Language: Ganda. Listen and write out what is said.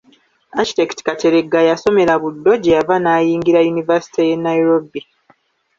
Architect Kateregga yasomera Buddo gye yava n’ayingira yunivasite y’e Nairobi.